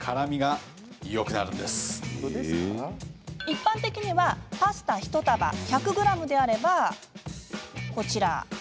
一般的には、パスタ１束１００ｇであれば、こちら。